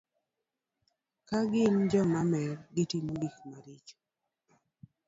Ka gin joma mer, gitimo gik maricho.